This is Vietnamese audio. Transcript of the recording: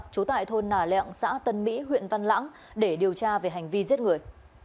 trú tại thôn nà lẹo xã tân mỹ huyện văn lãng để điều tra về hành vi giết người